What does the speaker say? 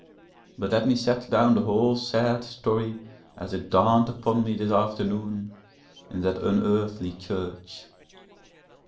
But let me set down the whole sad story as it dawned upon me this afternoon in that unearthly church.